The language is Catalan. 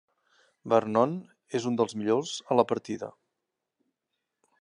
Vernon és un dels millors a la partida.